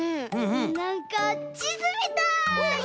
なんかちずみたい！